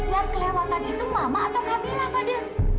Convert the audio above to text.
yang kelewatan itu mama atau kabila fadil